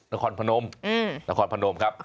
นครพนมนครพนมครับ